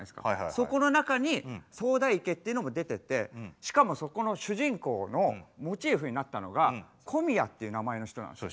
そこの中に池っていうのが出ててしかもそこの主人公のモチーフになったのが「小宮」っていう名前の人なんですよ。